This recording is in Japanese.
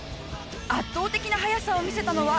圧倒的な速さを見せたのは。